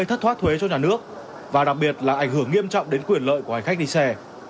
tình trạng này ảnh hưởng lớn đến quyền lợi của hành khách đi xe